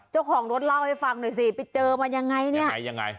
เจ้าของรถเล่าให้ฟังหน่อยสิไปเจอมันยังไงเนี่ยไหนยังไง